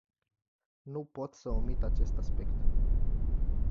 Nu pot să omit acest aspect.